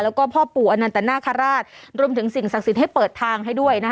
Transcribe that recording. แล้วก็พ่อปู่อนันตนาคาราชรวมถึงสิ่งศักดิ์สิทธิ์ให้เปิดทางให้ด้วยนะคะ